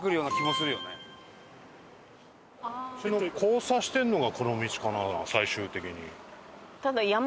交差してるのがこの道かな最終的に。